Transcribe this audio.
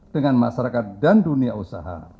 dengan masyarakat dan dunia usaha